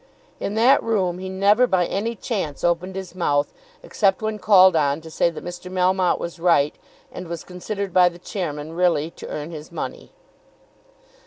In that room he never by any chance opened his mouth, except when called on to say that Mr. Melmotte was right, and was considered by the chairman really to earn his money.